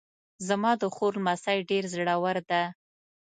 زما د خور لمسی ډېر زړور ده